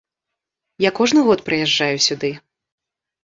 Я кожны год прыязджаю сюды.